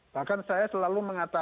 bahkan saya selalu mengatakan